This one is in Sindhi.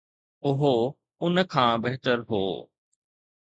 اهو ان کان بهتر هو.